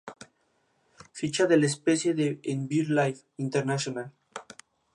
Ficha de la especie en BirdLife International